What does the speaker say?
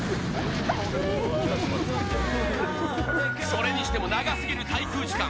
それにしても長すぎる滞空時間。